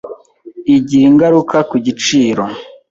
igira ingaruka ku giciro,